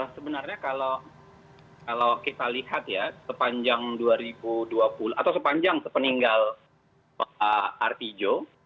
sebenarnya kalau kita lihat ya sepanjang dua ribu dua puluh atau sepanjang sepeninggal pak artijo